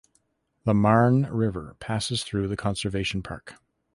The Marne River passes through the conservation park.